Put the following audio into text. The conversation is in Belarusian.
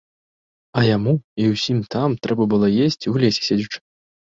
А яму і ўсім там трэба было есці, у лесе седзячы.